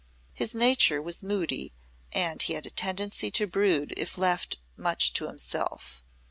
His nature was moody and he had a tendency to brood if left much to himself.